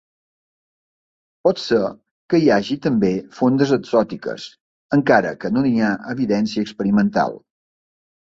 Pot ser que hi hagi també fondes exòtiques, encara que no n'hi ha evidència experimental.